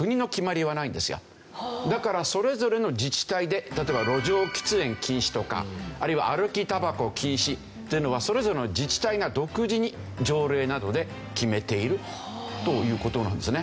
だからそれぞれの自治体で例えば路上喫煙禁止とかあるいは歩きたばこ禁止っていうのはそれぞれの自治体が独自に条例などで決めているという事なんですね。